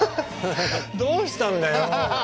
どうしたんだよ。